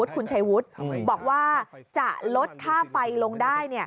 คุณชัยวุฒิบอกว่าจะลดค่าไฟลงได้